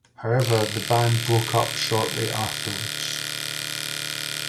However, the band broke up shortly afterwards.